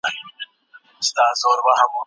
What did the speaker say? پټو یې له اوږو څخه لږ ښکته ښوېدلی و.